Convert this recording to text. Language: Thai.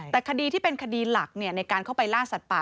แต่คดีที่เป็นคดีหลักในการเข้าไปล่าสัตว์ป่า